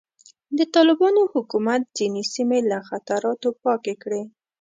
د طالبانو حکومت ځینې سیمې له خطراتو پاکې کړې.